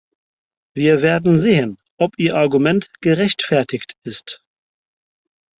Wir werden sehen, ob Ihr Argument gerechtfertigt ist.